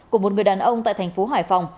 của một người đàn ông tại tp hải phòng